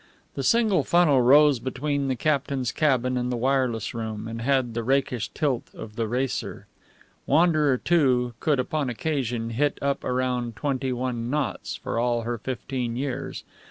The single funnel rose between the captain's cabin and the wireless room, and had the rakish tilt of the racer. Wanderer II could upon occasion hit it up round twenty one knots, for all her fifteen years.